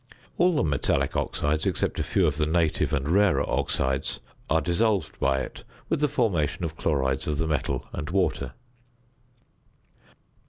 All the metallic oxides, except a few of the native and rarer oxides, are dissolved by it with the formation of chlorides of the metal and water.